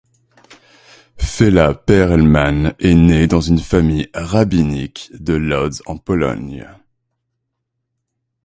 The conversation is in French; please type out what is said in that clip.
Fela Perelman est née dans une famille rabbinique de Lodz en Pologne.